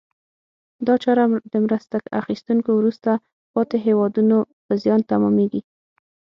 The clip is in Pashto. دا چاره د مرسته اخیستونکو وروسته پاتې هېوادونو په زیان تمامیږي.